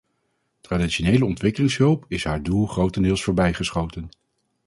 Traditionele ontwikkelingshulp is haar doel grotendeels voorbijgeschoten.